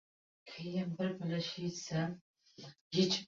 Erni dadil cho‘qi, nimadir topasan.